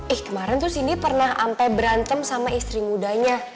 eh kemarin tuh sindi pernah ampe berantem sama istri mudanya